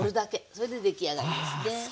それで出来上がりですね。